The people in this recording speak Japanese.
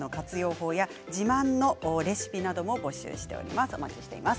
法や自慢のレシピなども募集しています。